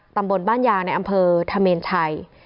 ตำบลบ้านยางในอำเภอธเมนชัย